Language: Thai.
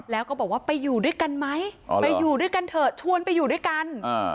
แล้วก็บอกว่าไปอยู่ด้วยกันไหมไปอยู่ด้วยกันเถอะชวนไปอยู่ด้วยกัน